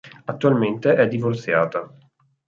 Attualmente è divorziata.